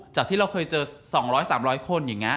จากที่เราเคยเจอ๒๐๐๓๐๐คนอย่างนี้